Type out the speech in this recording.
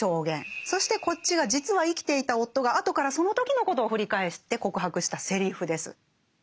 そしてこっちが実は生きていた夫が後からその時のことを振り返って告白したセリフです。